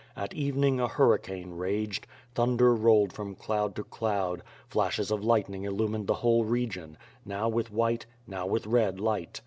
At evening, a hurricane raged; thunder rolled from cloud to cloud; flashes of lightning il lumined the whole region, now with white, now with red light.